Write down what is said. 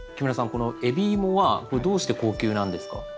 この海老芋はこれどうして高級なんですか？